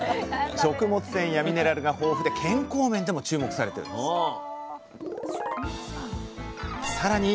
食物繊維やミネラルが豊富で健康面でも注目されているんですさらに